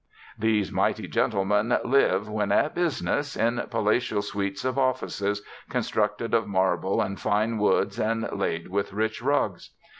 These mighty gentlemen live, when at business, in palatial suites of offices constructed of marble and fine woods and laid with rich rugs.